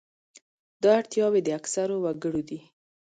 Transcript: دا اړتیاوې د اکثرو وګړو دي.